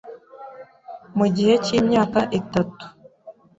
mu gihe cy'imyaka itatu